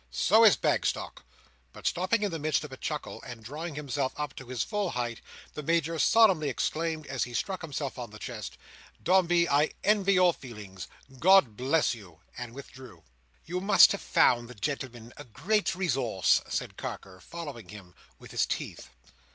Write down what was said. "So is Bagstock." But stopping in the midst of a chuckle, and drawing himself up to his full height, the Major solemnly exclaimed, as he struck himself on the chest, "Dombey! I envy your feelings. God bless you!" and withdrew. "You must have found the gentleman a great resource," said Carker, following him with his teeth.